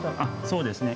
そうですね。